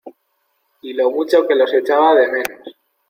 y lo mucho que los echaba de menos.